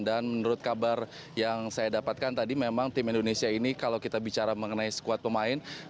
dan menurut kabar yang saya dapatkan tadi memang tim indonesia ini kalau kita bicara mengenai squad pemain